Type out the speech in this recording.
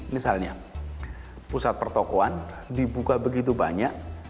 misalnya pusat pertokohan dibuka begitu banyak